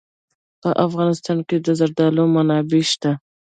په افغانستان کې د زردالو منابع شته.